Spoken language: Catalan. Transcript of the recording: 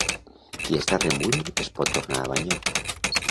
Qui està remull, es pot tornar a banyar.